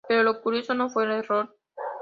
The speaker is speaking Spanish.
Pero lo curioso no fué el error